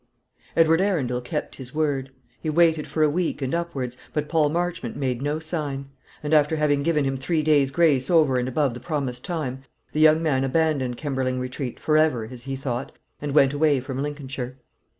Edward Arundel kept his word. He waited for a week and upwards, but Paul Marchmont made no sign; and after having given him three days' grace over and above the promised time, the young man abandoned Kemberling Retreat, for ever, as he thought, and went away from Lincolnshire.